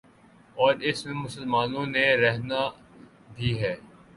اور اس میں مسلمانوں نے رہنا بھی ہے۔